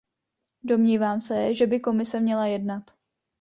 Domnívám se, že by Komise měla jednat.